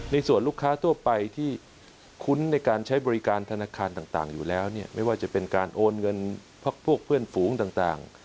ส่วนลูกค้าทั่วไปที่คุ้นในการใช้บริการธนาคารต่างอยู่แล้วเนี่ยไม่ว่าจะเป็นการโอนเงินพวกเพื่อนฝูงต่าง